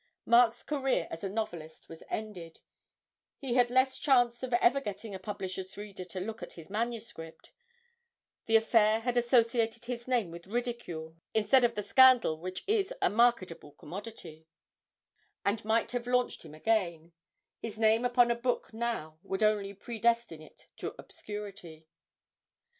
Mark's career as a novelist was ended, he had less chance than ever of getting a publisher's reader to look at his manuscript, the affair had associated his name with ridicule instead of the scandal which is a marketable commodity, and might have launched him again; his name upon a book now would only predestine it to obscurity.